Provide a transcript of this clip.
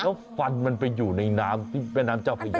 แล้วฟันมันไปอยู่ในน้ำที่แม่น้ำเจ้าพญา